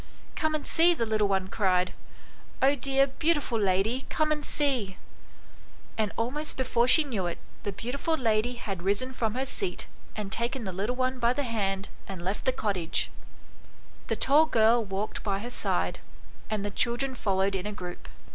"Come and see," the little one cried, "oh, dear beautiful lady, come and see !" and almost before she knew it, the beautiful lady had risen from her seat and taken the little one by the hand and left the cottage ; the tall girl walked by her side, and the children followed in a group.